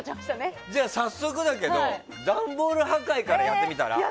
じゃあ、早速だけど段ボール破壊からやってみたら？